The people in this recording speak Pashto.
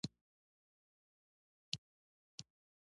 رئيسې په موبایل خبرې کولې.